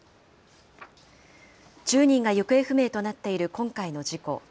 １０人が行方不明となっている今回の事故。